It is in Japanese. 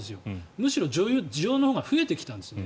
むしろ需要のほうが増えてきたんです。